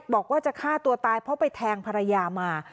บอกว่าจะฆ่าตัวตายเพราะไปแทงภรรยามา